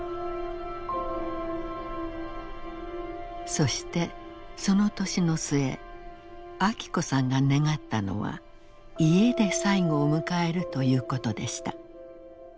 そしてその年の末昭子さんが願ったのは家で最期を迎えるということでした。